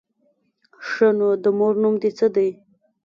_ښه نو، د مور نوم دې څه دی؟